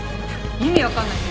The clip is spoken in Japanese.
意味分かんないし。